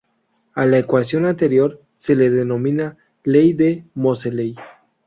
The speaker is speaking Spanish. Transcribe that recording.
A la ecuación anterior se le denomina ley de Moseley.